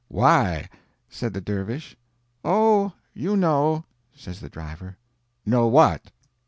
"Why?" said the dervish. "Oh, you know," says the driver. "Know what?"